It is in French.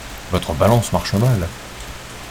Votre balance marche mal.